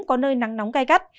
có nơi nắng nóng gai gắt